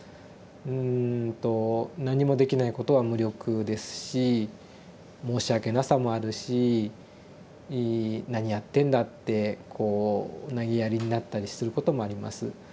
うんと何もできないことは無力ですし申し訳なさもあるし「何やってんだ」ってこうなげやりになったりすることもあります。